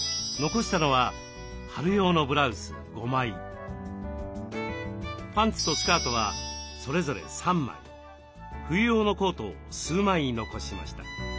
残したのはパンツとスカートはそれぞれ３枚冬用のコートを数枚残しました。